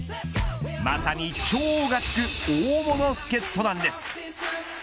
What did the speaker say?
まさに超がつく大物助っ人なんです。